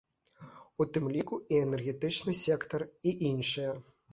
У тым ліку і энергетычны сектар, і іншыя.